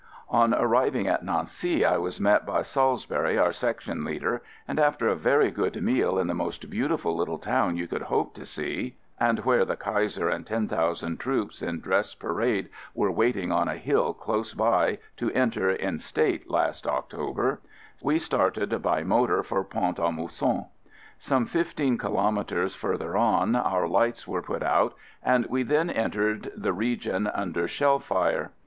On arriving at Nancy I was met by Salis bury, our Section leader, and after a very good meal in the most beautiful little town you could hope to see (and where the Kai ser and ten thousand troops in dress pa rade were waiting on a hill close by to en ter in state last October), we started by motor for Pont a Mousson. Some fifteen kilometres farther on, our lights were put out and we then entered the region under FIELD SERVICE 3 shell fire.